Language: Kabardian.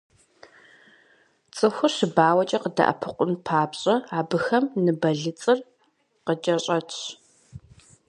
Цӏыхур щыбауэкӏэ къыдэӏэпыкъун папщӏэ, абыхэм ныбэлыцӏыр къыкӏэщӏэтщ.